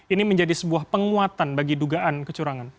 ini menjadi sebuah penguatan bagi dugaan kecurangan